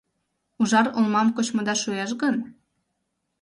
Ужар олмам кочмыда шуэш гын